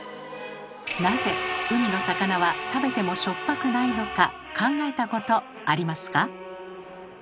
なぜ海の魚は食べてもしょっぱくないのか考えたことありますか？